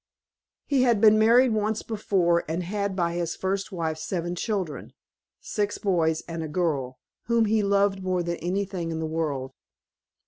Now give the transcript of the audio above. He had been married once before, and had by his first wife seven children, six boys and a girl, whom he loved more than anything in the world.